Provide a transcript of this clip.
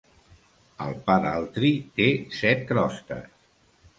El pa d'altri té set crostes.